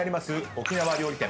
沖縄料理店